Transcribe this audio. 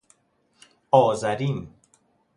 آذرین